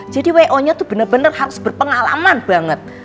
jadi wo nya tuh bener bener harus berpengalaman banget